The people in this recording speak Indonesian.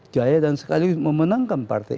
jaya dan sekaligus memenangkan partai